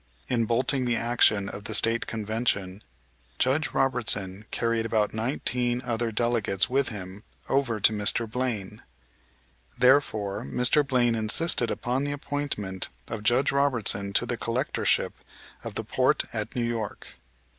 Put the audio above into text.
In bolting the action of the State Convention Judge Robertson carried about nineteen other delegates with him over to Mr. Blaine. Therefore Mr. Blaine insisted upon the appointment of Judge Robertson to the Collectorship of the port at New York.